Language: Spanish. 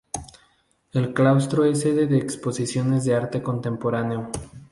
El claustro es sede de exposiciones de arte contemporáneo.